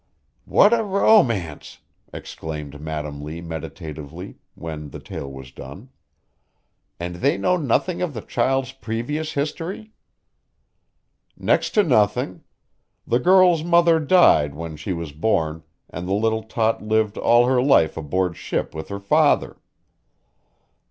"What a romance!" exclaimed Madam Lee meditatively, when the tale was done. "And they know nothing of the child's previous history?" "Next to nothing. The girl's mother died when she was born and the little tot lived all her life aboard ship with her father."